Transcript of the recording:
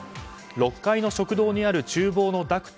６階の食堂にある厨房のダクト